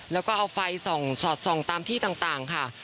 แล้วก็เอาไฟส่องสอดส่องตามที่ต่างค่ะ